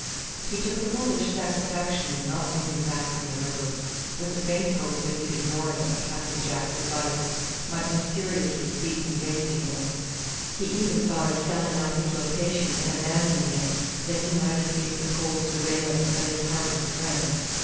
He took a foolish satisfaction in not moving back from the river, with a faint hope that his ignoring of Captain Jack's advice might mysteriously be conveyed to him. He even thought of selling out his location and abandoning it, that he might escape the cold surveillance of his heartless friend.